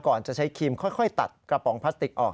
ก่อนจะใช้ครีมค่อยตัดกระป๋องพลาสติกออก